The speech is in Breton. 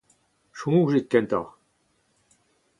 Soñjit kentoc'h !